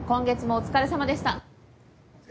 お疲れさまでした。